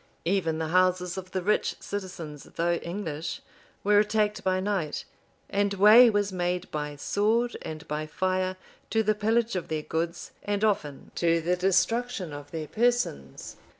Even the houses of the rich citizens, though English, were attacked by night; and way was made by sword and by fire to the pillage of their goods, and often to the destruction of their persons.